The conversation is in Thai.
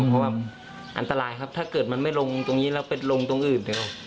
เพราะว่าอันตรายครับถ้าเกิดมันไม่ลงตรงนี้แล้วไปลงตรงอื่นเดี๋ยว